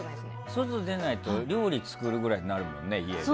外に出ないと料理作るぐらいになるよね、家で。